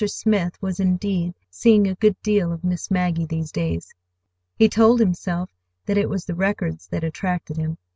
Smith was, indeed, seeing a good deal of Miss Maggie these days. He told himself that it was the records that attracted him.